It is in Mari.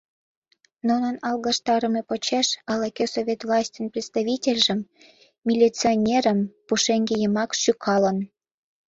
Нунын алгаштарыме почеш ала-кӧ Совет властьын представительжым, милиционерым, пушеҥге йымак шӱкалын.